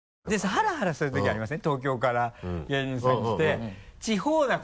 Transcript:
ハラハラするときありません？